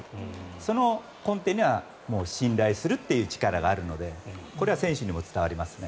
その根底には信頼するという力があるのでこれは選手にも伝わりますね。